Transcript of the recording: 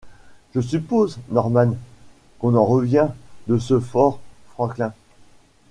Je suppose, Norman, qu’on en revient, de ce Fort-Franklin ?